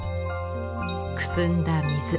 くすんだ水。